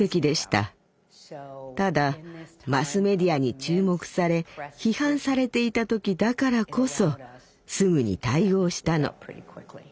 ただマスメディアに注目され批判されていた時だからこそすぐに対応したの。